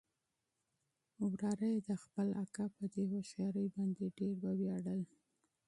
وراره يې د خپل تره په دې هوښيارۍ باندې ډېر ووياړل.